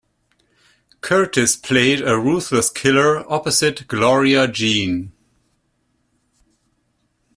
Curtis played a ruthless killer opposite Gloria Jean.